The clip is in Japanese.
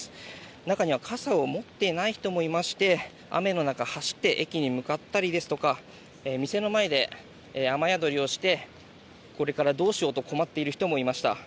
中には傘を持っていない人もいまして雨の中、走って駅に向かったりですとか店の前で雨宿りをしてこれからどうしようと困っている方もいました。